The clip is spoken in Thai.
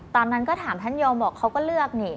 ตอนนั้นก็ถามท่านโยมบอกเขาก็เลือกนี่